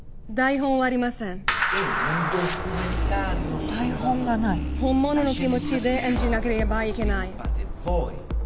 本物の気持ちで演じなければいけない。